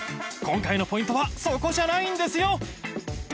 今回のポイントはそこじゃないんですよ